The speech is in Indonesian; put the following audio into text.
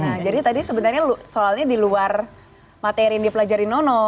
nah jadi tadi sebenarnya soalnya di luar materi yang dipelajari nono